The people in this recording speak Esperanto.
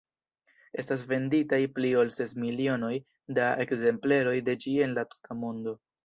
Estas venditaj pli ol ses milionoj da ekzempleroj de ĝi en la tuta mondo.